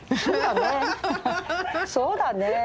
そうだねえ。